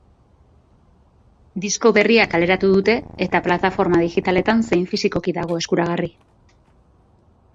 Disko berria kaleratu dute eta plataforma digitaletan zein fisikoki dago eskuragarri.